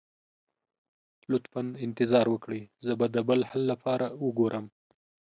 لطفا انتظار وکړئ، زه به د بل حل لپاره وګورم.